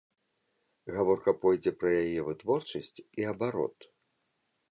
Гаворка пойдзе пра яе вытворчасць і абарот.